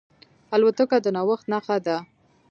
الوتکه د نوښت نښه ده.